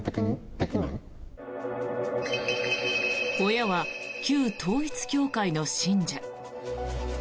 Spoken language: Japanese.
親は旧統一教会の信者。